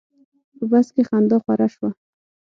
په بس کې خندا خوره شوه.